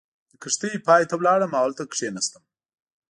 د کښتۍ پای ته ولاړم او هلته کېناستم.